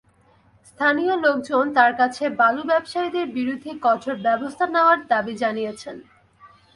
স্থানীয় লোকজন তাঁর কাছে বালু ব্যবসায়ীদের বিরুদ্ধে কঠোর ব্যবস্থা নেওয়ার দাবি জানিয়েছেন।